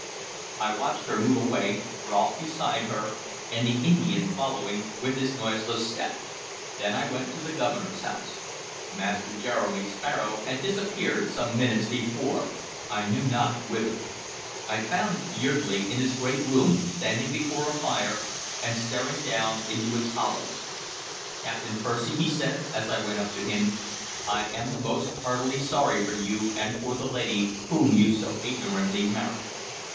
I watched her move away, Rolfe beside her, and the Indian following with his noiseless step; then I went to the Governor's house. Master Jeremy Sparrow had disappeared some minutes before, I knew not whither. I found Yeardley in his great room, standing before a fire and staring down into its hollows. "Captain Percy," he said, as I went up to him, "I am most heartily sorry for you and for the lady whom you so ignorantly married."